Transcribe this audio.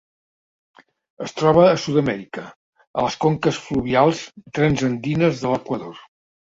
Es troba a Sud-amèrica, a les conques fluvials transandines de l'Equador.